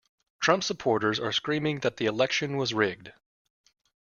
Trump supporters are screaming that the election was rigged.